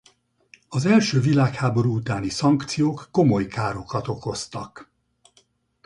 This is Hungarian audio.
Az első világháború utáni szankciók komoly károkat okoztak.